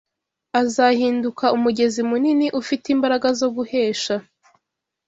azahinduka umugezi munini ufite imbaraga zo guhesha